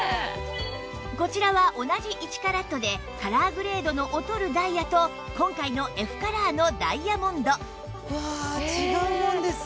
こちらは同じ１カラットでカラーグレードの劣るダイヤと今回の Ｆ カラーのダイヤモンドわあ違うもんですね。